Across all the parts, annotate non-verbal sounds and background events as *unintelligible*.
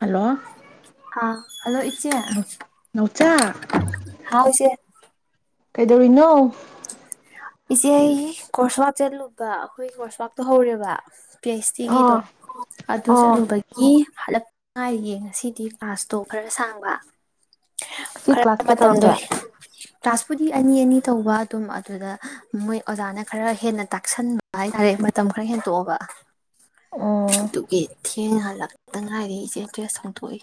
Hello ꯑꯥ-ꯍꯜꯂꯣ ꯏꯆꯦ ꯅꯥꯎꯆꯥ ꯍꯥꯎ ꯏꯆꯦ꯫ ꯀꯩꯗꯧꯔꯤꯅꯣ? ꯏꯆꯦ ꯑꯩ ꯀꯣꯔꯔꯁ ꯆꯠꯂꯨꯕ ꯑꯈꯣꯏ ꯀꯣꯔꯁꯋꯥꯛꯇꯣ ꯍꯧꯔꯦꯕꯥ꯫ ꯄꯤ-ꯑꯩꯆ-ꯇꯤꯒꯤꯗꯣ ꯑꯣ ꯑꯗꯨ ꯑꯣ ꯆꯠꯂꯨꯕꯒꯤ ꯍꯂꯛ ꯉꯥꯏꯔꯤꯌꯦ ꯉꯁꯤꯗꯤ ꯀ꯭ꯂꯥꯁꯇꯣ ꯈꯔ ꯁꯥꯡꯕꯥ꯫ ꯑꯁꯤ ꯀ꯭ꯂꯥꯁ ꯀꯩꯇꯧꯔꯛꯀꯦ ꯄꯨꯗꯤ ꯑꯅꯤ-ꯑꯅꯤ ꯇꯧꯕ ꯑꯗꯨ ꯑꯗꯨꯝ ꯑꯗꯨꯗ ꯎꯝ ꯃꯣꯏ ꯑꯣꯖꯥꯅ ꯈꯔ ꯍꯦꯟꯅ ꯇꯥꯛꯁꯟꯕ ꯍꯥꯏꯇꯥꯔꯦ ꯃꯇꯝ ꯈꯔ ꯍꯦꯟꯇꯣꯛꯑꯕ꯫ ꯑꯣ ꯑꯗꯨꯒꯤ ꯊꯦꯡꯅ ꯍꯂꯛ ꯇꯪ ꯉꯥꯏꯔꯤ ꯏꯁꯦ ꯗ꯭ꯔꯦꯁ ꯍꯣꯡꯇꯣꯛꯏ꯫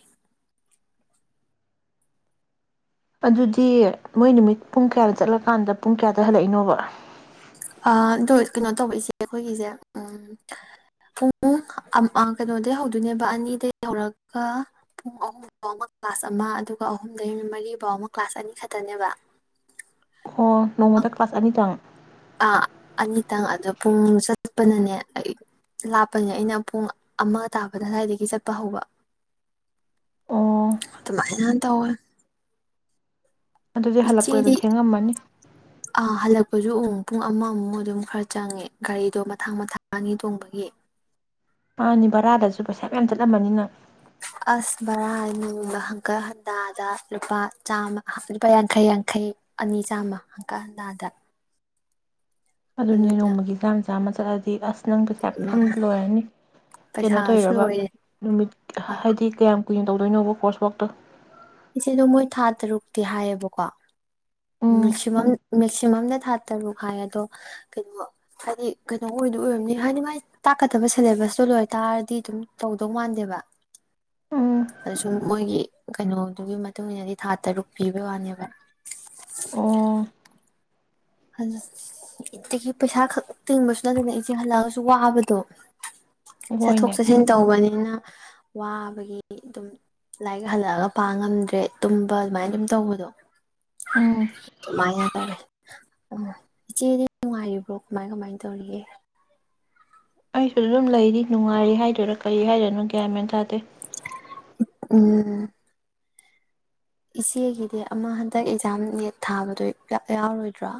ꯑꯗꯨꯗꯤ ꯃꯣꯏ ꯅꯨꯃꯤꯠ ꯄꯨꯡ ꯀꯌꯥꯗ ꯆꯠꯂꯀꯥꯟꯗ ꯄꯨꯡ ꯀꯌꯥꯗ ꯍꯜꯂꯛꯏꯅꯣꯕ? ꯑꯥ ꯗꯣ ꯀꯩꯅꯣ ꯇꯧꯕ ꯏꯆꯦ ꯑꯈꯣꯏꯒꯤꯖꯦ ꯎꯝ ꯄꯨꯡ ꯑꯝꯑꯥ ꯀꯩꯅꯣꯗꯩ ꯍꯧꯗꯣꯏꯅꯦꯕ ꯑꯅꯤꯗꯩ ꯍꯧꯔꯒ ꯄꯨꯡ ꯑꯍꯨꯝ ꯕꯥꯎꯕ ꯀ꯭ꯂꯥꯁ ꯑꯃ ꯑꯗꯨꯒ ꯑꯍꯨꯝꯗꯩ ꯃꯔꯤ ꯕꯥꯎꯃ ꯀ꯭ꯂꯥꯁ ꯑꯅꯤ ꯈꯇꯅꯦꯕ꯫ ꯍꯣ ꯅꯣꯡꯃꯗ ꯀ꯭ꯂꯥꯁ ꯑꯅꯤꯇꯪ? ꯑꯥ ꯑꯅꯤꯇꯪ ꯑꯗꯣ ꯄꯨꯡ ꯆꯠꯄꯅꯅꯦ ꯑꯩ ꯂꯥꯞꯄꯅꯤꯅ ꯑꯩꯅ ꯄꯨꯡ ꯑꯃ ꯇꯥꯕꯗ ꯑꯗꯥꯏꯗꯒꯤ ꯆꯠꯄ ꯍꯧꯕ ꯑꯣ ꯑꯗꯨꯃꯥꯏꯅ ꯇꯧꯋꯦ꯫ ꯑꯗꯨꯗꯤ ꯍꯜꯂꯛꯄꯗ ꯏꯆꯦꯗꯤ ꯊꯦꯡꯉꯝꯃꯅꯤ ꯑꯥ-ꯍꯜꯂꯛꯄꯖꯨ ꯎꯨ ꯄꯨꯡ ꯑꯃꯃꯨꯛ ꯑꯗꯨꯝ ꯈꯔ ꯆꯪꯉꯦ ꯒꯥꯔꯤꯗꯣ ꯃꯊꯥꯡ-ꯃꯊꯥꯡ ꯑꯅꯤ ꯊꯣꯡꯕꯒꯤ꯫ ꯃꯥꯅꯤ ꯕꯔꯥꯗꯖꯨ ꯄꯩꯁꯥ ꯃꯌꯥꯝ ꯆꯠꯂꯝꯃꯅꯤ ꯅꯪ꯫ ꯑꯁ ꯕꯔꯥ ꯅꯣꯡꯃ ꯍꯪꯒꯠ ꯍꯟꯗꯥꯗ ꯂꯨꯄꯥ ꯆꯥꯝꯃ ꯂꯨꯄꯥ ꯌꯥꯡꯈꯩ-ꯌꯥꯡꯈꯩ ꯑꯅꯤ ꯆꯥꯝꯃ ꯍꯪꯀꯠ ꯍꯟꯗꯥꯗ꯫ ꯑꯗꯨꯅꯦ ꯑꯗꯨꯅ ꯅꯣꯡꯃꯒꯤ ꯆꯥꯝ-ꯆꯥꯝ *unintelligible* ꯅꯪ ꯄꯩꯁꯥ ꯐꯟ ꯂꯣꯏꯔꯅꯤ ꯀꯩꯅꯣ ꯄꯩꯁꯥꯁꯨ ꯇꯧꯔꯕ ꯂꯣꯏꯔꯦ ꯅꯨꯃꯤꯠ ꯍꯥꯏꯗꯤ ꯀꯌꯥꯝ ꯀꯩ ꯇꯧꯗꯣꯏꯅꯣꯕ ꯀꯣꯔꯁꯋꯥꯛꯇꯣ ꯏꯆꯦꯗꯣ ꯃꯣꯏ ꯊꯥ ꯇꯥꯔꯨꯛꯇꯤ ꯍꯥꯏꯌꯦꯕꯀꯣ꯫ ꯎꯝ ꯄꯨꯂꯝꯅ ꯊꯥ ꯇꯔꯨꯛ ꯍꯥꯏ ꯑꯗꯣ ꯀꯩꯅꯣ ꯍꯥꯏꯗꯤ ꯀꯩꯅꯣ ꯑꯣꯏꯗ ꯑꯣꯏꯔꯝꯅꯤ ꯍꯥꯏꯗꯤ ꯃꯥꯏ ꯇꯥꯛꯀꯗꯕ ꯁꯤꯂꯦꯕꯁꯇꯣ ꯂꯣꯏ ꯇꯥꯔꯗꯤ ꯑꯗꯨꯝ ꯇꯧꯗꯧ ꯃꯥꯟꯗꯦꯕ ꯎꯝ ꯑ ꯁꯨꯝ ꯃꯣꯏꯒꯤ ꯀꯩꯅꯣꯗꯨꯒꯤ ꯃꯇꯨꯡ ꯏꯟꯅꯗꯤ ꯊꯥ ꯇꯔꯨꯛ ꯄꯤꯕ ꯋꯥꯅꯦꯕ꯫ ꯑꯣ *inaudible* ꯑꯗꯨ *unintelligible* ꯄꯩꯁꯥ ꯈꯛ ꯇꯤꯡꯕꯁꯨ ꯅꯠꯇꯕ ꯏꯆꯦ ꯍꯜꯂꯛꯑꯒꯁꯨ ꯋꯥꯕꯗꯣ꯫ ꯍꯣꯏꯅꯦ ꯆꯊꯣꯛ-ꯆꯁꯤꯟ ꯇꯧꯕꯅꯤꯅ ꯋꯥꯕꯒꯤ ꯑꯗꯨꯝ ꯂꯥꯏꯔꯤꯛ ꯍꯜꯂꯛꯑꯒ ꯄꯥ ꯉꯝꯗ꯭ꯔꯦ ꯇꯨꯝꯕ ꯑꯗꯨꯃꯥꯏꯅ ꯗꯨꯝ ꯇꯧꯕꯗꯣ꯫ ꯎꯝ ꯗꯨꯃꯥꯏꯅ *inaudible* ꯑꯣ ꯏꯆꯦꯗ ꯅꯨꯡꯉꯥꯏꯔꯤꯕ꯭ꯔꯣ ꯀꯃꯥꯏ ꯀꯃꯥꯏ ꯇꯧꯔꯤꯒꯦ꯫ ꯑꯩꯁꯨ ꯑꯗꯨꯝ ꯂꯩꯔꯤ ꯅꯨꯡꯉꯥꯏꯔꯤ ꯍꯥꯏꯗꯣꯏꯔ ꯀꯔꯤ ꯍꯥꯏꯔꯅꯣ ꯒ꯭ꯌꯥꯟꯃꯦꯟ ꯇꯥꯗꯦ꯫ ꯎꯝ ꯏꯆꯦꯒꯤꯗꯤ ꯑꯃ ꯍꯟꯗꯛ ꯑꯖꯥꯝ ꯅꯦꯠ ꯊꯥꯕꯗꯣ ꯌꯥꯎ ꯌꯥꯎꯔꯣꯏꯗ꯭ꯔꯥ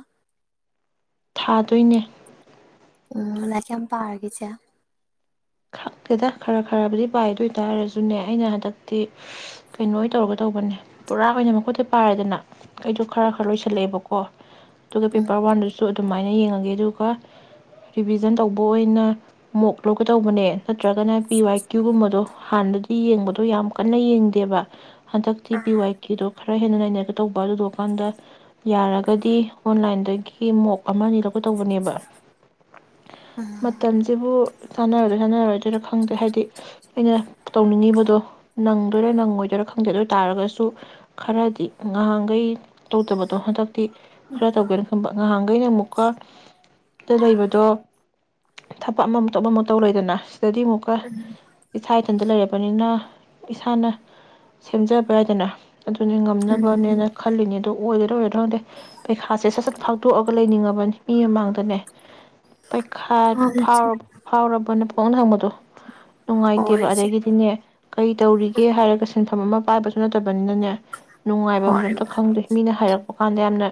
ꯊꯥꯗꯣꯏꯅꯤ ꯎꯝ ꯂꯥꯏꯔꯤꯛ ꯀꯌꯥꯝ ꯄꯥꯔꯒꯦ ꯏꯆꯦ꯫ ꯈꯛꯇꯦꯗ ꯈꯔ-ꯈꯔꯕꯨꯗꯤ ꯄꯥꯏꯗꯣꯏꯇꯥꯔꯁꯨꯅꯦ ꯑꯩꯅ ꯍꯟꯗꯛꯇꯤ ꯀꯩꯅꯣ ꯇꯧꯔꯒ ꯇꯧꯕꯅꯦ ꯄꯨꯔꯥ ꯑꯣꯏꯅ ꯃꯀꯣꯛꯇꯩ ꯄꯥꯏꯔꯦꯗꯅ ꯑꯩꯗꯣ ꯈꯔ ꯈꯔ ꯂꯣꯏꯁꯜꯂꯛꯑꯦꯕꯀꯣ꯫ ꯍꫭ ꯑꯗꯨꯒ ꯎꯝ ꯄꯦꯄꯔ ꯋꯥꯟꯗꯁꯨ ꯑꯗꯨꯃꯥꯏꯅ ꯌꯦꯡꯉꯒꯦ ꯑꯗꯨꯒ ꯔꯤꯚꯤꯖꯟ ꯇꯧꯕ ꯑꯣꯏꯅ ꯃꯣꯛ ꯇꯧꯕꯅꯦ ꯅꯠꯇ꯭ꯔꯒꯅ ꯄꯤ-ꯋꯥꯏ-ꯀ꯭ꯌꯨ ꯒꯨꯝꯕꯗꯣ ꯍꯥꯟꯅꯗꯤ ꯌꯦꯡꯕꯗꯣ ꯌꯥꯝ ꯀꯟꯅ ꯌꯦꯡꯗꯦꯕ ꯍꯟꯗꯛꯇꯤ ꯄꯤ-ꯋꯥꯏ-ꯀꯤꯗꯣ ꯈꯥ ꯈꯔ ꯍꯦꯟꯅ ꯅꯩꯅꯔꯒꯦ ꯇꯧꯕ ꯑꯗꯨꯗꯨꯀꯥꯟꯗ ꯌꯥꯔꯒꯗꯤ ꯑꯣꯟꯂꯥꯏꯟꯗꯒ ꯒꯤ ꯃꯣꯞ ꯑꯃꯅꯤꯂꯣꯛ ꯇꯧꯕꯅꯦꯕ ꯃꯇꯝꯁꯤꯕꯨ ꯃꯣꯏ ꯍꯧꯖꯤꯛ ꯍꯥꯏꯅꯔꯣꯏꯗꯣꯏꯔꯥ ꯈꯪꯗꯦ ꯍꯥꯏꯗꯤ ꯑꯩꯅ ꯇꯧꯅꯤꯡꯉꯤꯕꯗꯣ ꯅꯪꯗꯣꯏꯔ ꯅꯪꯉꯣꯏꯗꯣꯏꯔ ꯈꯪꯗꯦ ꯑꯗꯨ ꯑꯣꯏ ꯇꯥꯔꯒꯁꯨ ꯈꯡꯗꯤ ꯉꯍꯥꯡꯈꯩ ꯇꯧꯗꯕꯗꯣ ꯍꯟꯗꯛ ꯈꯔ ꯇꯧꯒꯦꯅ ꯈꯟꯕ ꯉꯍꯥꯟ ꯑꯩꯅ ꯑꯃꯨꯛꯀ ꯇꯦꯜꯂꯩꯕꯗꯣ ꯊꯕꯛ ꯑꯃ ꯊꯕꯛ ꯑꯃ ꯇꯧꯔꯦꯗꯅ ꯁꯤꯗꯗꯤ ꯑꯃꯨꯛꯀ ꯏꯁꯥ ꯏꯊꯟꯇ ꯂꯩꯔꯕꯅꯤꯅ ꯏꯁꯥꯅ ꯁꯦꯝꯖꯕ ꯌꯥꯏꯗꯅꯥ ꯑꯗꯨꯅꯤ ꯉꯝꯅꯕꯅꯦꯅ ꯈꯜꯂꯤꯅꯤ ꯑꯗꯨ ꯑꯣꯏꯒꯗ꯭ꯔ ꯑꯣꯏꯔꯣꯗ ꯈꯪꯗꯦ ꯄꯩꯈꯥꯁꯦ ꯁꯠ-ꯁꯠ ꯐꯥꯗꯣꯛꯑꯒ ꯂꯩꯅꯤꯡꯉ ꯃꯥꯅꯤ ꯃꯤ ꯃꯃꯥꯡꯗꯅꯦ ꯄꯩꯈꯥ ꯃꯥꯅꯦ ꯏꯆꯦ ꯐꯥꯎꯔꯕ ꯕꯣꯅꯤ ꯄꯨꯍꯡꯗ ꯍꯪꯕꯗꯣ ꯍꯣꯏ ꯅꯨꯡꯉꯥꯏꯇꯦꯕ ꯏꯆꯦ ꯑꯗꯩꯒꯤꯗꯤꯅꯦ ꯀꯩꯇꯧꯔꯤꯒꯦ ꯍꯥꯏꯔꯒ ꯁꯤꯟꯐꯝ ꯑꯃ ꯋꯥꯕꯁꯨ ꯅꯠꯇꯕꯅꯤꯅꯅꯦ ꯅꯨꯡꯉꯥꯏꯕꯝ ꯍꯣꯏ ꯑꯝꯇ ꯈꯪꯗꯦ ꯃꯤꯅ ꯍꯥꯏꯔꯛꯄ ꯀꯥꯟꯗ ꯌꯥꯝꯅ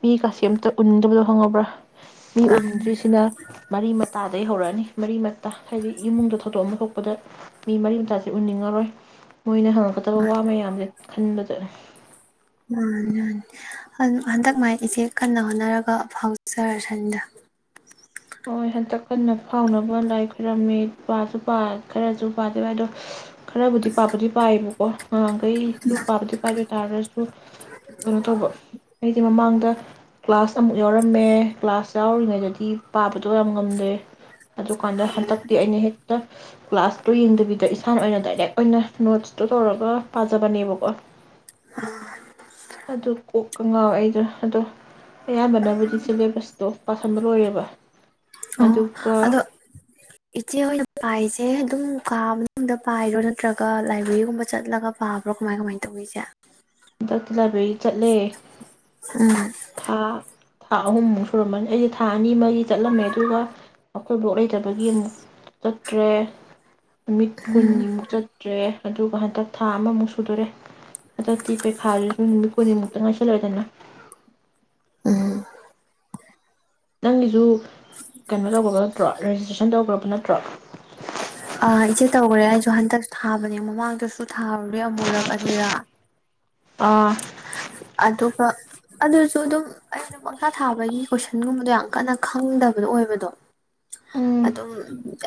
ꯃꯤ ꯀꯥꯁꯤ ꯑꯝꯇ ꯎꯅꯤꯡꯗꯕꯗꯣ ꯈꯪꯉꯕ꯭ꯔꯥ ꯃꯤ ꯃꯥꯅꯤ ꯎꯅꯤꯡꯗ꯭ꯔꯤꯁꯤꯅ ꯃꯔꯤ ꯃꯇꯥ ꯑꯩ ꯍꯧꯔꯛꯑꯅꯤ ꯃꯔꯤ ꯃꯇꯥ ꯍꯥꯏꯗꯤ ꯏꯃꯨꯡꯗ ꯊꯧꯗꯣꯛ ꯑꯃ ꯊꯣꯛꯄꯗ ꯃꯤ ꯃꯔꯤ ꯃꯇꯥꯁꯦ ꯎꯅꯤꯡꯉꯔꯣꯏ ꯃꯣꯏꯅ ꯍꯪꯉꯛꯀꯗꯕ ꯋꯥ-ꯃꯌꯥꯝꯁꯦ ꯈꯟꯕꯗꯅꯦ ꯃꯥꯅꯤ-ꯃꯥꯅꯤ ꯍꯟꯗꯛ ꯃꯥꯏ ꯏꯆꯦ ꯀꯟꯅ ꯍꯣꯠꯅꯔꯒ ꯐꯥꯎꯖꯔꯁꯟꯅꯤꯗ ꯍꯣꯏ ꯍꯟꯗꯛ ꯀꯟꯅ ꯐꯥꯎꯅꯕ ꯂꯥꯏ ꯈꯨꯣꯏꯔꯝꯃꯤ ꯄꯥꯁꯨ ꯄꯥꯏ ꯈꯔꯁꯨ ꯄꯥꯗꯦꯕ ꯌꯥꯗꯦ ꯑꯗꯣ ꯈꯔꯕꯨꯗꯤ ꯄꯥꯕꯨꯗꯤ ꯄꯥꯏꯌꯦꯕꯀꯣ ꯅꯥꯍꯥꯟꯈꯩꯁꯨ ꯄꯥꯕꯗꯤ ꯄꯥꯏꯕ ꯑꯗꯣꯏ ꯇꯥꯔꯒꯁꯨ ꯀꯩꯅꯣ ꯇꯧꯕ ꯑꯩꯁꯦ ꯃꯃꯥꯡꯗ ꯀꯂꯥꯁ ꯑꯃꯨꯛ ꯌꯥꯎꯔꯝꯃꯦ ꯀꯂꯥꯁ ꯌꯥꯎꯔꯤꯉꯩꯗꯗꯤ ꯄꯥꯕ ꯇꯣꯝ ꯉꯝꯗꯦ ꯑꯗꯨꯀꯥꯟꯗ ꯍꯟꯗꯛꯇꯤ ꯑꯩꯅ ꯍꯦꯛꯇ ꯀꯂꯥꯁꯇꯨ ꯌꯦꯡꯗꯕꯤꯗ ꯏꯁꯥꯅ ꯑꯣꯏꯅ ꯗꯥꯏꯔꯦꯛ ꯑꯣꯏꯅ ꯅꯣꯠꯁꯇꯩ ꯇꯧꯔꯒ ꯄꯥꯖꯕꯅꯦꯕꯀꯣ ꯑꯗꯨ-ꯀꯨꯛ ꯀꯉꯥꯎ ꯑꯩꯗꯣ ꯑꯗꯣ ꯑꯌꯥꯝꯕꯅꯕꯨꯗꯤ ꯁꯤꯂꯦꯕꯁꯇꯣ ꯄꯥꯁꯤꯟꯕ ꯂꯣꯏꯔꯦꯕ ꯑꯣ ꯑꯗꯨꯒ ꯑꯗꯣ ꯏꯆꯦꯍꯣꯏꯅ ꯄꯥꯏꯁ ꯑꯦ ꯑꯗꯨꯝ ꯀꯥ ꯃꯅꯨꯡꯗ ꯄꯥꯏꯔꯣ ꯅꯠꯇ꯭ꯔꯒ ꯂꯥꯏꯕ꯭ꯔꯦꯔꯤꯒꯨꯝꯕ ꯆꯠꯂꯒ ꯄꯥꯕ꯭ꯔꯣ ꯀꯃꯥꯏ ꯀꯃꯥꯏ ꯇꯧꯏ ꯏꯆꯦ ꯍꯟꯗꯛꯇꯤ ꯂꯥꯏꯕ꯭ꯔꯦꯔꯤ ꯆꯠꯂꯦ ꯊꯥ ꯊꯥ ꯑꯍꯨꯝꯃꯨꯛ ꯁꯨꯔꯝꯃꯅꯤ ꯑꯩꯁꯦ ꯊꯥ ꯑꯅꯤ ꯑꯃꯒꯤ ꯆꯠꯂꯝꯃꯦ ꯑꯗꯨꯒ ꯑꯩꯈꯣꯏ ꯕꯣꯛ ꯂꯩꯇꯕꯒꯤ ꯑꯃꯨꯛ ꯆꯠꯇ꯭ꯔꯦ ꯅꯨꯃꯤꯠ ꯀꯨꯟꯅꯤꯃꯨꯛ ꯆꯠꯇ꯭ꯔꯦ ꯑꯗꯨꯒ ꯍꯟꯗꯛ ꯊꯥ ꯑꯃꯃꯨꯛ ꯁꯨꯗꯣꯔꯦ ꯑꯗꯩ ꯎꯨꯝ ꯅꯪꯒꯤꯁꯨ ꯀꯅꯣ ꯇꯧꯒ꯭ꯔꯕ ꯅꯠꯇ꯭ꯔꯣ ꯔꯦꯖꯤꯁꯇ꯭ꯔꯦꯁꯟ ꯇꯧꯒ꯭ꯔꯕ ꯅꯠꯇ꯭ꯔꯣ ꯑꯥ ꯏꯆꯦ ꯇꯧꯒ꯭ꯔꯦ ꯑꯩꯁꯨ ꯍꯟꯗꯛ ꯊꯥꯕꯅꯦ ꯃꯃꯥꯡꯗꯁꯨ ꯊꯥꯔꯨꯔꯦ ꯑꯃꯨꯔꯛ ꯑꯅꯤꯔꯛ ꯑꯥ ꯑꯗꯨꯒꯥ ꯑꯗꯨꯁꯨ ꯑꯗꯨꯝ ꯑꯩꯅ ꯄꯪꯊꯥ ꯊꯥꯕꯒꯤ ꯀꯣꯏꯁꯟꯒꯨꯝꯕꯗꯣ ꯌꯥꯝ ꯀꯟꯅ ꯈꯪꯗꯕꯗꯣ ꯑꯣꯏꯕꯗꯣ ꯎꯝ ꯑꯗꯨꯝ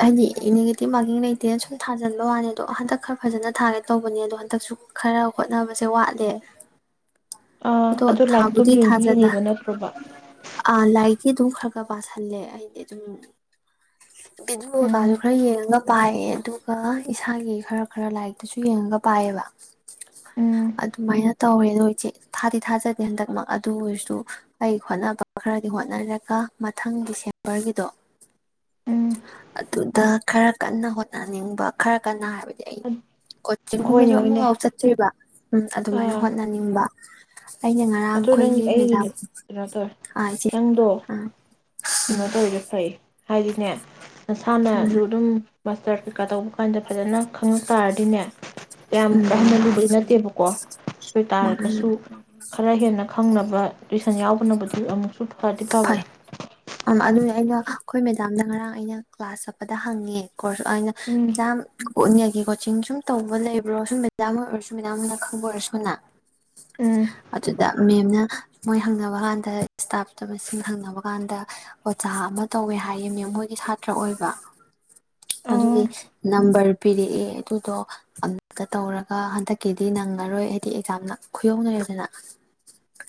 ꯍꯥꯏꯗꯤ ꯅꯦꯒꯦꯇꯤꯞ ꯃꯥꯔꯀꯤꯡ ꯂꯩꯇꯦꯅ ꯁꯨꯝ ꯊꯥꯖꯟꯕ ꯋꯥꯅꯤ ꯑꯗꯣ ꯍꯟꯗꯛ ꯈꯔ ꯐꯖꯅ ꯊꯥꯒꯦ ꯇꯧꯕꯅꯦ ꯑꯗꯣ ꯍꯟꯗꯛꯁꯨ ꯈꯔ ꯍꯣꯠꯅꯕꯁꯦ ꯋꯥꯠꯂꯦ ꯑꯥ ꯑꯗꯣ ꯑꯗꯨ ꯂꯥꯏꯔꯤꯛꯇꯣ ꯊꯥꯕꯨꯗꯤ ꯌꯦꯡꯗꯤ ꯊꯥꯖꯅ ꯌꯦꯡꯉꯤꯕ ꯅꯠꯇ꯭ꯔꯣꯕ ꯁꯤ ꯑꯗꯨꯝ ꯈꯔ ꯈꯔ ꯄꯥꯁꯜꯂꯦ ꯑꯩꯗꯤ ꯑꯗꯨꯝ ꯚꯤꯗꯤꯑꯣ ꯀꯥꯁꯨ ꯎꯝ ꯈꯔ ꯌꯦꯡꯉꯒ ꯄꯥꯏꯌꯦ ꯑꯗꯨꯒ ꯏꯁꯥꯒꯤ ꯈꯔ ꯈꯔ ꯂꯥꯏꯔꯤꯛꯇꯁꯨ ꯌꯦꯡꯉꯒ ꯄꯥꯏꯌꯦꯕ ꯎꯝ ꯑꯗꯨꯃꯥꯏꯅ ꯇꯧꯔꯦ ꯅꯣꯏ ꯏꯆꯦ ꯊꯥꯗꯤ ꯊꯥꯖꯗꯦ ꯍꯟꯗꯛꯃꯛ ꯑꯗꯨ ꯑꯣꯏꯔꯁꯨ ꯑꯩ ꯍꯣꯠꯅꯕ ꯈꯔꯗꯤ ꯍꯣꯠꯅꯔꯒ ꯃꯊꯪ ꯗꯤꯁꯦꯝꯕꯔꯒꯤꯗꯣ ꯎꯝ ꯑꯗꯨꯗ ꯈꯔ ꯀꯟꯅ ꯍꯣꯠꯅꯅꯤꯡꯕ ꯈꯔ ꯀꯟꯅ ꯍꯥꯏꯕ- ꯑꯩ ꯀꯣꯆꯤꯡꯒꯨꯝꯕꯁꯨ ꯍꯣꯏꯅꯦ ꯍꯣꯏꯅꯦ ꯑꯃꯐꯥꯎ ꯆꯠꯇ꯭ꯔꯤꯕ ꯎꯝ ꯑꯗꯨꯃꯥꯏꯅ ꯍꯣꯠꯅꯅꯤꯡꯕ- ꯑꯩꯅ ꯉꯔꯥꯡ ꯑꯗꯣ ꯅꯪ ꯑꯩꯈꯣꯏꯒꯤ ꯑꯩꯒꯤꯅꯦ ꯃꯦꯗꯥꯝ ꯀꯩꯅꯣ ꯇꯧꯔꯦ ꯑꯥ ꯏꯆꯦ ꯅꯪꯗꯣ ꯑꯥ ꯀꯩꯅꯣ ꯇꯧꯔꯤꯗꯣ ꯐꯩ ꯍꯥꯏꯗꯤꯅꯦ ꯃꯁꯥꯟꯅꯖꯨ ꯎꯝ ꯑꯗꯨꯝ ꯃꯥꯁꯇꯔ ꯀꯩꯀꯥ ꯇꯧꯕ ꯀꯥꯟꯗ ꯐꯖꯅ ꯈꯪꯉꯛ ꯇꯥꯔꯗꯤꯅꯦ ꯀꯌꯥꯝ ꯀꯥ ꯍꯦꯟꯅ ꯎꯝ ꯂꯨꯕꯗꯤ ꯅꯠꯇꯦꯕꯀꯣ ꯑꯗꯨ ꯎꯝ ꯇꯥꯔꯒꯁꯨ ꯈꯔ ꯍꯦꯟꯅ ꯈꯪꯅꯕ ꯇꯨꯏꯁꯟ ꯌꯥꯎꯕꯅꯕꯨꯗꯤ ꯑꯃꯨꯛꯁꯨ ꯐꯗꯤ ꯐꯕ꯭ꯔꯥ ꯐꯩ ꯎꯝ ꯑꯗꯨꯅꯦ ꯑꯩꯅ ꯑꯩꯈꯣꯏ ꯃꯦꯗꯥꯝꯅ ꯉꯔꯥꯡ ꯑꯩꯅ ꯀ꯭ꯂꯥꯁ ꯆꯠꯄꯗ ꯍꯪꯉꯦ ꯀꯣꯔꯁ ꯑꯩꯅ ꯎꯝ ꯃꯦꯗꯥꯝ ꯀꯣꯟꯅꯒꯤ ꯀꯣꯆꯤꯡ ꯁꯨ ꯇꯧꯕ ꯂꯩꯕ꯭ꯔꯣ ꯁꯨꯝ ꯃꯦꯗꯥꯝ ꯑꯣꯏꯔꯁꯨ ꯃꯦꯗꯥꯝꯅ ꯈꯪꯕ ꯑꯣꯏꯔꯁꯨꯅ ꯎꯝ ꯑꯗꯨꯗ ꯃꯦꯝꯅ ꯃꯣꯏ ꯍꯪꯅꯕ ꯀꯥꯟꯗ ꯏꯁꯇꯥꯐ ꯇꯕꯁꯤꯡ ꯍꯪꯅꯕ ꯀꯥꯟꯗ ꯑꯣꯖꯥ ꯑꯃ ꯇꯧꯋꯦ ꯍꯥꯏꯌꯦ ꯃꯦꯝ ꯍꯣꯏꯒꯤ ꯁꯥꯇ꯭ꯔ ꯑꯣꯏꯕ ꯑꯣ ꯑꯗꯨꯒꯤ ꯅꯝꯕꯔ ꯄꯤꯔꯛꯑꯦ ꯑꯗꯨꯗꯣ ꯑꯝꯇ ꯇꯧꯔꯒ ꯍꯟꯗꯛꯀꯤꯗꯤ ꯅꯪꯉꯔꯣꯏ ꯍꯥꯏꯗꯤ ꯑꯦꯛꯖꯥꯝꯅ ꯈꯨꯌꯧꯅꯔꯦꯗꯅ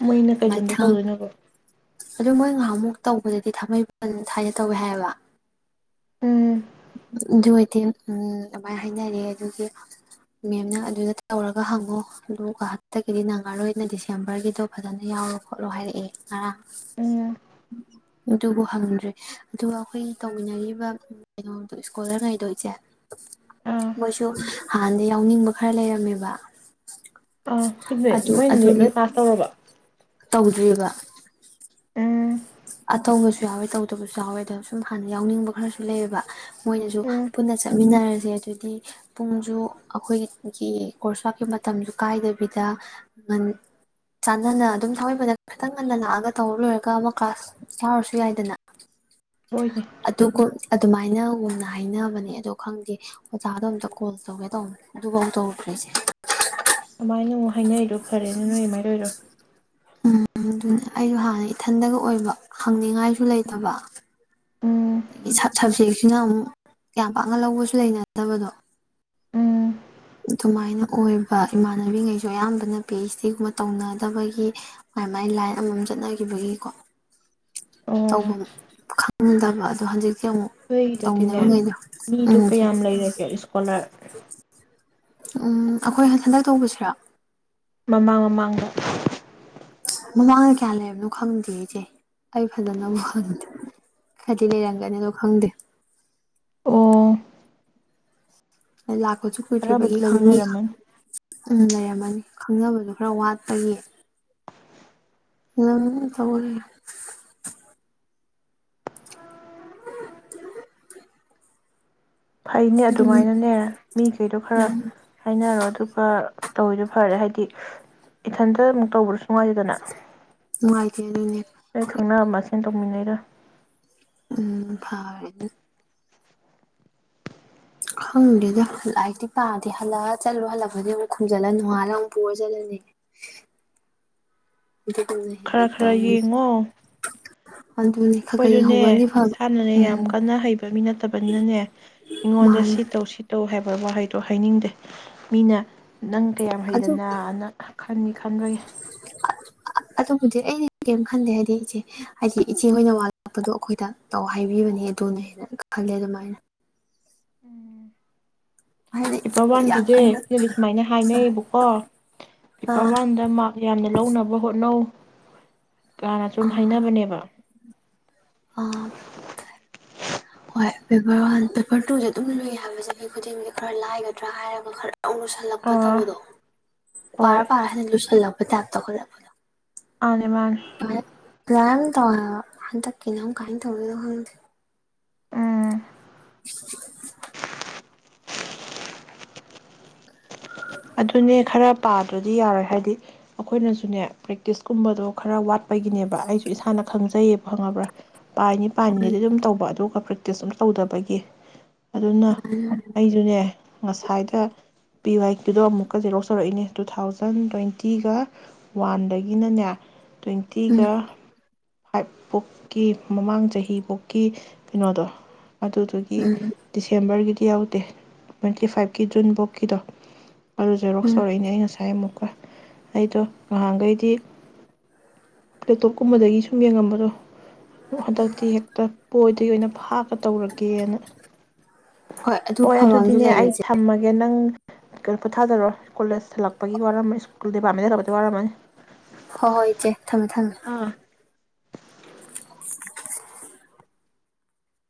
ꯃꯣꯏꯅ ꯀꯩ ꯂꯝꯗ ꯃꯊꯪ ꯇꯧꯗꯣꯏꯅꯣꯕ ꯑꯗꯨ ꯃꯣꯏ ꯉꯥꯍꯥꯟꯃꯨꯛ ꯇꯧꯕꯗꯗꯤ ꯊꯥꯡꯃꯩꯕꯟꯗ ꯊꯥꯏꯅ ꯇꯧꯋꯦ ꯍꯥꯏꯌꯦꯕ ꯎꯝ ꯂꯧꯁꯤꯟꯕ ꯉꯝꯗꯕ ꯎꯝ ꯑꯗꯨꯃꯥꯏꯅ ꯍꯥꯏꯅꯔꯑꯦ ꯑꯗꯨꯒꯤ ꯃꯦꯝꯅ ꯑꯗꯨꯗ ꯇꯧꯔꯒ ꯍꯪꯉꯣ ꯑꯗꯨꯒ ꯍꯟꯇꯛꯀꯤꯗꯤ ꯅꯪꯉꯔꯣꯏꯅ ꯗꯤꯁꯦꯝꯕꯔꯒꯤꯗꯣ ꯐꯖꯅ ꯌꯥꯎꯔꯣ ꯈꯣꯠꯂꯣ ꯍꯥꯏꯔꯛꯑꯦ ꯉꯔꯥꯡ ꯎꯝ ꯑꯗꯨꯕꯨ ꯍꯪꯗ꯭ꯔꯦ ꯑꯗꯨꯒ ꯑꯩꯈꯣꯏꯒꯤ ꯇꯧꯃꯤꯟꯅꯔꯤꯕ ꯀꯩꯅꯣꯗꯣ ꯏꯁꯀꯣꯂꯔꯒꯩꯗꯣ ꯏꯆꯦ ꯑꯥ ꯃꯣꯏꯁꯨ ꯍꯥꯟꯅꯗꯩ ꯌꯥꯎꯅꯤꯡꯕ ꯈꯔ ꯂꯩꯔꯝꯃꯦꯕ ꯑꯥ ꯐꯤꯠꯕꯦ ꯑꯗꯨ ꯅꯣꯏ ꯅꯦꯠ ꯑꯗꯨꯒꯤ ꯂꯣꯏ ꯄꯥꯁ ꯇꯧꯔꯕꯣ ꯇꯧꯗ꯭ꯔꯤꯕ ꯎꯝ ꯇꯧꯕꯁꯨ ꯌꯥꯎꯋꯦ ꯇꯧꯗꯕꯁꯨ ꯌꯥꯎꯋꯦ ꯑꯗꯣ ꯁꯨꯝ ꯍꯥꯟꯅ ꯌꯥꯎꯅꯤꯡꯕ ꯈꯔꯁꯨ ꯂꯩꯌꯦꯕ ꯃꯣꯏꯅꯁꯨ ꯎꯝ ꯄꯨꯟꯅ ꯆꯠꯃꯤꯟꯅꯔꯁꯦ ꯑꯗꯨꯗꯤ ꯄꯨꯡꯁꯨ ꯑꯩꯈꯣꯏꯒꯤ ꯒ꯭ꯔꯨꯞꯀꯤ ꯀꯣꯔꯁ ꯂꯥꯛꯀꯤ ꯃꯇꯝꯁꯨ ꯀꯥꯏꯗꯕꯤꯗ ꯉꯟ ꯆꯥꯟꯅꯅ ꯑꯗꯨꯝ ꯊꯥꯡꯃꯩꯕꯟꯗ ꯈꯤꯇꯪ ꯉꯟꯅ ꯂꯥꯛꯑꯒ ꯇꯧꯔ ꯂꯣꯏꯔꯒ ꯑꯃ ꯀ꯭ꯂꯥꯁ ꯌꯥꯎꯔꯁꯨ ꯌꯥꯏꯗꯅ ꯍꯣꯏꯅꯦ ꯑꯗꯨꯀꯣ ꯑꯗꯨꯃꯥꯏ ꯍꯥꯏꯅꯒꯨꯝꯅ ꯍꯥꯏꯅꯕꯅꯦ ꯑꯗꯣ ꯈꯪꯗꯦ ꯑꯣꯖꯥꯗꯣ ꯑꯝꯇ ꯀꯣꯜ ꯇꯧꯒꯦ ꯇꯧꯕ ꯑꯗꯨꯐꯧ ꯇꯧꯗ꯭ꯔꯤꯁꯦ ꯗꯨꯃꯥꯏꯅ ꯑꯃꯨꯛ ꯍꯥꯏꯅꯔꯤꯗꯣ ꯐꯔꯦꯅꯦ ꯅꯣꯏ ꯑꯗꯨꯃꯥꯏꯅ ꯇꯧꯔꯤꯗꯣ ꯑꯗꯨꯅ ꯑꯩꯖꯨ ꯍꯥꯟꯅ ꯏꯊꯟꯗꯒ ꯑꯣꯏꯕ ꯍꯪꯅꯤꯡꯉꯥꯏꯁꯨ ꯂꯩꯇꯕ- ꯎꯝ ꯑꯩꯒꯤ ꯁꯞ ꯁꯕꯖꯦꯛꯁꯤꯅ ꯑꯃꯨꯛ ꯌꯥꯝ ꯄꯥꯛꯅ ꯂꯧꯕꯁꯨ ꯂꯩꯅꯗꯕꯗꯣ ꯎꯝ ꯑꯗꯨꯃꯥꯏꯅ ꯑꯣꯏꯕ ꯏꯃꯥꯟꯅꯕꯤꯉꯩꯁꯨ ꯑꯌꯥꯝꯕꯅ ꯄꯤ ꯑꯩꯆ ꯗꯤꯒꯨꯝꯕ ꯇꯧꯅꯗꯕꯒꯤ ꯃꯥꯏ ꯃꯥꯏ ꯂꯥꯏꯟ ꯑꯃꯃꯝ ꯆꯠꯅꯒꯤꯕꯒꯤꯀꯣ ꯑꯣ ꯇꯧꯕꯝ ꯈꯪ- ꯂꯧꯁꯤꯟꯕ ꯉꯝꯗꯕ ꯉꯍꯥꯟꯖꯤ ꯑꯇꯩꯗꯗꯤꯅꯦ ꯃꯤꯗꯣ ꯀꯌꯥꯝ ꯂꯩꯔꯒꯦ ꯏꯁꯀꯣꯂꯥꯔ ꯇꯥꯕ ꯉꯝꯗꯕ ꯎꯝ ꯑꯩꯈꯣꯏ ꯍꯟ ꯍꯟꯗꯛ ꯇꯧꯕꯁꯤꯔꯥ ꯃꯃꯥꯡ-ꯃꯃꯥꯡꯗ ꯃꯃꯥꯡꯗ ꯀꯌꯥ ꯂꯩꯔꯝꯕꯅꯣ ꯈꯪꯗꯦ ꯏꯆꯦ ꯑꯩ ꯐꯖꯅ ꯑꯃꯨꯛ ꯍꯪꯗꯦ ꯍꯥꯏꯗꯤ ꯂꯩꯔꯝꯒꯅꯤꯗꯣ ꯈꯪꯗꯦ ꯑꯣ ꯂꯥꯛ ꯀꯨꯏꯁꯨ ꯈꯔꯕꯨꯗꯤ ꯀꯨꯏꯗ꯭ꯔꯤꯕꯒꯤ ꯂꯩꯗꯤ ꯈꯪꯗꯦ ꯈꯪ- ꯂꯩꯔꯝꯃꯅꯤ ꯎꯝ ꯂꯩꯔꯝꯃ ꯎꯨꯝ ꯈꯪꯅꯕꯗꯣ ꯈꯔ ꯋꯥꯠꯄꯒꯤ *inaudible* *inaudible* ꯐꯩꯅꯦ ꯑꯗꯨꯅꯦ ꯑꯗꯨꯃꯥꯏꯅꯅꯦ ꯃꯤꯈꯩꯗꯣ ꯈꯔ ꯍꯥꯏꯅꯔꯣ ꯑꯗꯨꯒ ꯇꯧꯔꯤꯗꯨ ꯐꯔꯦ ꯍꯥꯏꯗꯤ ꯏꯊꯟꯇ ꯑꯃꯨꯛ ꯇꯧꯔꯁꯨ ꯅꯨꯉꯥꯏꯇꯦ ꯑꯗꯨꯅꯦ ꯅꯕ ꯃꯁꯦꯟ ꯇꯧꯃꯤꯟꯅꯩꯔ ꯎꯝ ꯐꯔꯦ ꯑꯗꯨꯅ ꯈꯪꯗꯦꯗ ꯂꯥꯏꯔꯤꯛꯇꯤ ꯄꯥꯗꯦ ꯍꯜꯂꯛꯑ ꯆꯠꯂꯨ ꯍꯜꯂꯛꯄꯗꯤ ꯑꯃꯨꯛ ꯈꯨꯝꯖꯤꯜꯂ ꯅꯣꯡꯉꯥꯜꯂ ꯑꯃꯨꯛ ꯄꯨꯔ ꯆꯜꯂꯅꯤ ꯑꯗꯨꯅꯤ ꯑꯗꯨꯝ ꯍꯤꯡꯉꯤ ꯈꯔ ꯇꯧꯔꯤꯁꯤ *inaudible* ꯑꯈꯣꯏꯁꯨꯅꯦ ꯏꯁꯥꯅꯅꯦ ꯌꯥꯝ ꯎꯝ ꯀꯟꯅ ꯍꯩꯕ ꯃꯤ ꯅꯠꯇꯕꯅꯤꯅꯅꯦ ꯃꯤꯉꯣꯟꯗ ꯃꯥꯅꯦ ꯁꯤꯇꯧ ꯁꯤꯇꯧ ꯍꯥꯏꯕ ꯋꯥꯍꯩꯗꯣ ꯍꯥꯏꯅꯤꯡꯗꯦ ꯃꯤꯅ ꯅꯪ ꯀꯌꯥꯝ ꯑꯗꯨ ꯍꯩꯗꯅ ꯑꯅ ꯈꯟꯅꯤ ꯈꯟꯕꯒꯤ ꯑꯥ ꯑꯗꯨꯕꯨꯗꯤ ꯑꯩꯩꯅ ꯀꯔꯤꯝ ꯈꯟꯗꯦ ꯍꯥꯏꯗꯤ ꯏꯆꯦ ꯍꯥꯏꯗꯤ ꯏꯆꯦꯍꯣꯏꯅ ꯋꯥ ꯂꯣꯠꯄꯗꯣ ꯑꯩꯈꯣꯏꯗ ꯇꯧ ꯍꯥꯏꯕꯤꯕꯅꯦ ꯑꯗꯨꯅꯅ ꯈꯜꯂꯦ ꯑꯗꯨꯃꯥꯏꯅ ꯎꯨꯝ ꯍꯥꯏꯗꯤ ꯄꯦꯄꯔ ꯌꯥꯝ ꯋꯥꯟꯒꯤꯁꯦ ꯀꯟꯅ ꯑꯩꯈꯣꯏꯗꯤ ꯁꯨꯃꯥꯏꯅ ꯍꯥꯏꯅꯩꯌꯦꯕꯀꯣ ꯄꯦꯄꯔ ꯑꯥ ꯋꯥꯟꯗ ꯃꯥꯔꯛ ꯌꯥꯝꯅ ꯂꯧꯅꯕ ꯍꯣꯠꯅꯧ ꯌꯥꯝ ꯑꯁꯨꯝ ꯍꯥꯏꯅꯕꯅꯦꯕ ꯑꯥ ꯍꯣꯏ ꯄꯦꯄꯔ ꯋꯥꯟ ꯄꯦꯄꯔ ꯇꯨꯁꯦ ꯑꯗꯨꯝ ꯂꯨ ꯍꯥꯏꯕꯁꯦ ꯃꯤ ꯈꯨꯗꯤꯡꯒꯤ ꯈꯔ ꯂꯥꯏꯒꯗ꯭ꯔꯥ ꯍꯥꯏꯔꯒ ꯈꯔ ꯔꯥꯝ ꯂꯨꯁꯜꯂꯛꯄ ꯑꯥ ꯇꯧꯕꯗꯣ ꯄꯥꯔꯥ ꯍꯣꯏ ꯄꯥꯔꯥ ꯍꯦꯏꯅ ꯂꯨꯁꯜꯂꯛ ꯇꯥꯠ ꯇꯧꯇꯠꯂꯛꯄꯗꯨ ꯑꯥꯅꯤ ꯃꯥꯟꯅꯤ ꯄ꯭ꯂꯝ ꯇꯧꯑ ꯍꯥꯏꯕ ꯍꯟꯇꯛ ꯀꯤꯅ ꯀꯃꯥꯏꯟꯅ ꯇꯧꯗꯣꯏꯅꯣ ꯈꯪꯗꯦ ꯎꯝ *inaudible* ꯑꯥꯍ ꯑꯗꯨꯅꯦ ꯈꯔ ꯄꯥꯗ꯭ꯔꯗꯤ ꯌꯥꯔꯣꯏ ꯍꯥꯏꯗꯤ ꯑꯩꯈꯣꯏꯅꯁꯨꯅꯦ ꯄ꯭ꯔꯦꯛꯇꯤꯁꯀꯨꯝꯕꯗꯣ ꯈꯔ ꯋꯥꯠꯄꯒꯤꯅꯦꯕ ꯑꯩꯁꯨ ꯏꯁꯥꯅ ꯈꯪꯖꯩꯌꯦꯕ ꯈꯪꯉꯕ꯭ꯔ ꯄꯥꯔꯤꯅꯤ ꯎꯝ ꯄꯥꯔꯤꯅꯤꯗꯤ ꯑꯗꯨꯝ ꯇꯧꯕ ꯑꯗꯨꯒ ꯄ꯭ꯔꯦꯛꯇꯤꯁ ꯑꯃꯇꯤ ꯇꯧꯗꯕꯒꯤ ꯑꯗꯨꯅ--ꯑꯩꯁꯨꯅꯦ ꯉꯁꯥꯏꯗ ꯄꯤ-ꯋꯥꯏ ꯑꯗꯨꯗ ꯑꯃꯨꯛꯀ ꯖꯤꯔꯣꯁ ꯇꯧꯔꯛꯏꯅ ꯇꯨ ꯊꯥꯎꯖꯟ ꯇ꯭ꯋꯦꯟꯇꯤꯒ ꯋꯥꯟꯗꯒꯤꯅꯅꯦ ꯎꯝ ꯇꯣꯏꯟꯇꯤꯒ *unintelligible* ꯃꯃꯥꯡ ꯆꯍꯤꯕꯨꯛꯀꯤ ꯀꯩꯅꯣꯗꯣ ꯑꯗꯨꯗꯨꯒꯤ ꯎꯝ ꯗꯤꯁꯦꯝꯕꯔꯒꯤꯗꯤ ꯌꯥꯎꯗꯦ ꯇ꯭ꯋꯦꯟꯇꯤ ꯐꯥꯏꯚꯀꯤ ꯖꯨꯟ ꯕꯣꯛꯀꯤꯗꯣ ꯑꯗꯨ ꯖꯦꯔꯣꯛꯁ ꯎꯝ ꯇꯧꯔꯛꯏꯅꯦ ꯑꯩ ꯉꯁꯥꯏ ꯑꯃꯨꯛ ꯑꯩꯗꯣ ꯉꯍꯥꯟꯒꯩꯗꯤ ꯂꯦꯞꯇꯣꯞ ꯀꯨꯝꯕꯗꯒꯤꯁꯨ ꯌꯦꯡꯉꯝꯕꯗꯣ ꯍꯟꯗꯛꯇꯤ ꯍꯦꯛꯇ ꯄꯣꯏꯗꯩ ꯑꯣꯏꯅ ꯐꯥꯛꯑ ꯇꯧꯔꯒꯦꯅ ꯑꯗꯨ ꯍꯣꯏ ꯐꯕ ꯑꯃꯁꯨ ꯑꯗꯨꯗꯤꯅꯦ ꯂꯩꯔꯤ ꯑꯩ ꯏꯆꯦ ꯊꯝꯃꯒꯦ ꯅꯪ ꯀꯩ ꯄꯣꯊꯥꯖꯔꯣ ꯀꯣꯂꯦꯖ ꯍꯂꯛꯄꯒꯤ ꯋꯥꯔꯝꯃꯅꯤ ꯁꯀꯨꯜ ꯗꯤꯕꯥꯃꯦ ꯇꯧꯕꯗ ꯋꯥꯔꯝꯃꯅꯤ ꯍꯣꯏ ꯍꯣꯏ ꯏꯆꯦ ꯊꯝꯃꯦ ꯊꯝꯃꯦ ꯑꯥ *inaudible*